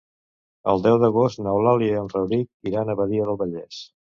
El deu d'agost n'Eulàlia i en Rauric iran a Badia del Vallès.